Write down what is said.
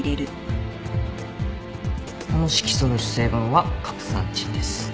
この色素の主成分はカプサンチンです。